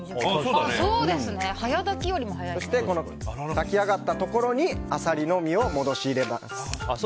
炊き上がったところにアサリの身を戻し入れます。